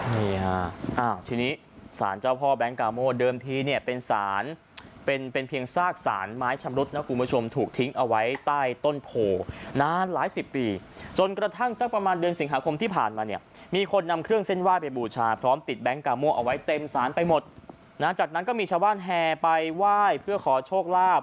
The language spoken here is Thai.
นี่ฮะอ้าวทีนี้สารเจ้าพ่อแก๊งกาโมเดิมทีเนี่ยเป็นสารเป็นเป็นเพียงซากสารไม้ชำรุดนะคุณผู้ชมถูกทิ้งเอาไว้ใต้ต้นโพนานหลายสิบปีจนกระทั่งสักประมาณเดือนสิงหาคมที่ผ่านมาเนี่ยมีคนนำเครื่องเส้นไหว้ไปบูชาพร้อมติดแก๊งกาโม่เอาไว้เต็มสารไปหมดนะจากนั้นก็มีชาวบ้านแห่ไปไหว้เพื่อขอโชคลาภ